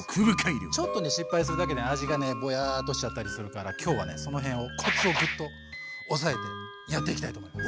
ちょっとね失敗するだけで味がねぼやっとしちゃったりするから今日はねその辺をやっていきたいと思います。